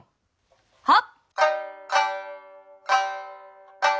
はっ。